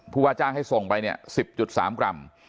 ผู้ว่าจ้างให้ส่งไป๑๐๓กรัม